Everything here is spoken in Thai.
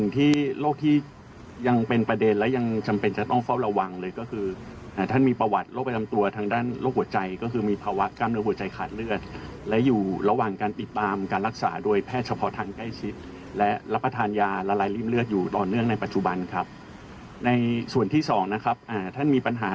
ที่โรคที่ยังเป็นประเด็นและยังจำเป็นจะต้องเฝ้าระวังเลยก็คือท่านมีประวัติโรคประจำตัวทางด้านโรคหัวใจก็คือมีภาวะกล้ามเนื้อหัวใจขาดเลือดและอยู่ระหว่างการติดตามการรักษาโดยแพทย์เฉพาะทางใกล้ชิดและรับประทานยาละลายริ่มเลือดอยู่ต่อเนื่องในปัจจุบันครับในส่วนที่สองนะครับท่านมีปัญหา